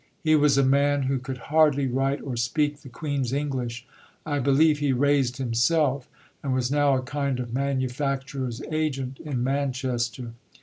He was a man who could hardly write or speak the Queen's English; I believe he raised himself, and was now a kind of manufacturer's agent in Manchester.